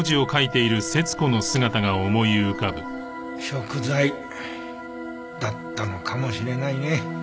贖罪だったのかもしれないね。